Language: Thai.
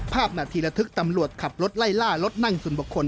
ภาพนาทีระทึกตำรวจขับรถไล่ล่ารถนั่งส่วนบุคคล